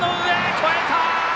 越えた！